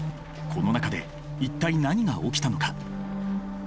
この中で一体何が起きたのか？